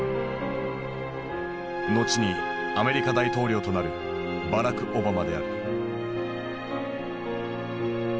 後にアメリカ大統領となるバラク・オバマである。